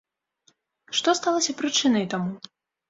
Што сталася прычынай таму?